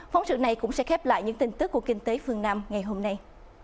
phóng sự này cũng sẽ khép lại những tin tức của kinh tế phương nam ngày hôm nay